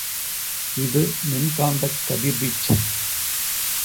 இது மின்காந்தக் கதிர்வீச்சு.